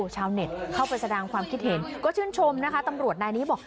ชาวเน็ตเข้าไปแสดงความคิดเห็นก็ชื่นชมนะคะตำรวจนายนี้บอก